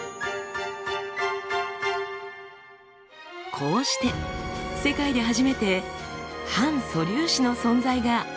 こうして世界で初めて反素粒子の存在が明らかになりました。